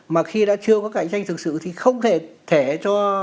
mà khi đã chưa có cạnh tranh thực sự thì không thể thẻ cho